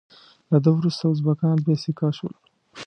له ده وروسته ازبکان بې سیکه شول.